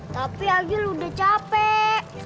tapi agil udah capek